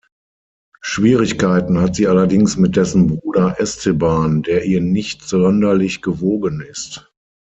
Schwierigkeiten hat sie allerdings mit dessen Bruder Esteban, der ihr nicht sonderlich gewogen ist.